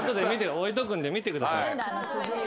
置いとくんで見てください。